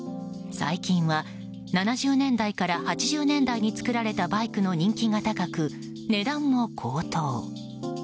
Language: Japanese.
最近は７０年代から８０年代に作られたバイクの人気が高く、値段も高騰。